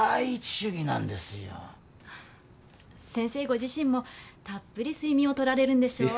先生ご自身もたっぷり睡眠をとられるんでしょう？